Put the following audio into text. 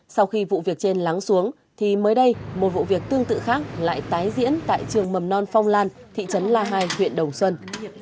sau khi vụ việc trên lắng xuống thì mới đây một vụ việc tương tự khác lại tái diễn tại trường mầm non phong lan thị trấn la hai huyện đồng xuân